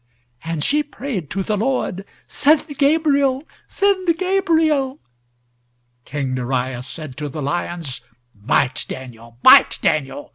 And she prayed to the Lord:—"Send Gabriel. Send Gabriel."King Darius said to the lions:—"Bite Daniel. Bite Daniel.